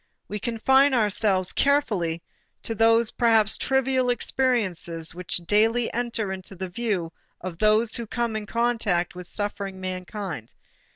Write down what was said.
We confine ourselves carefully to those perhaps trivial experiences which daily enter into the view of those who come in contact with suffering mankind.